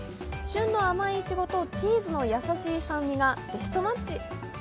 旬の甘いいちごとチーズの優しい酸味がベストマッチ。